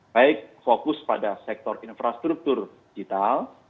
baik fokus pada sektor infrastruktur digital